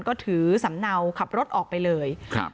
ก็ถือสำเนาขับรถออกไปเลยครับ